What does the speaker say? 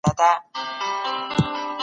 ايا ته پروګرام جوړولی سی؟